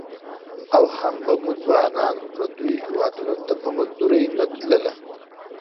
او هم به مو ځوانان پرديو هيوادنو ته په مزدورۍ نه تلى.